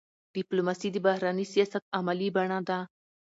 ډيپلوماسي د بهرني سیاست عملي بڼه ده.